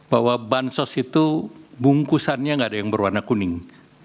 bahwa bansos itu bungkusannya nggak ada yang berwarna kuning